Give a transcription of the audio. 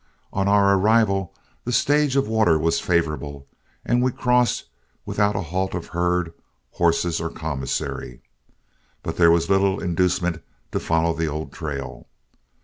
On our arrival, the stage of water was favorable, and we crossed without a halt of herd, horses, or commissary. But there was little inducement to follow the old trail.